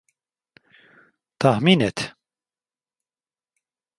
Tahmin et.